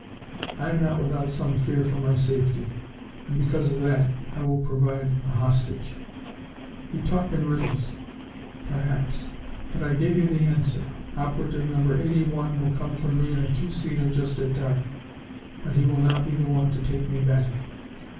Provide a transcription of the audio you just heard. I am not without some fear for my safety, and because of that I will provide a hostage." "You talk in riddles." "Perhaps, but I give you the answer. Operative Number Eighty one will come for me in a two seater just at dark. But he will not be the one to take me back."